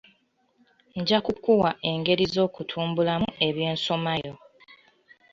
Nja kukuwa engeri z'okutumbulamu eby'ensomaayo.